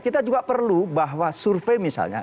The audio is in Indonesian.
kita juga perlu bahwa survei misalnya